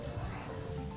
ya ada di negara